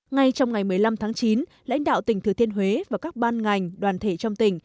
ngay trong ngày một mươi năm tháng chín lãnh đạo tỉnh thừa thiên huế và các ban ngành đoàn thể trong tỉnh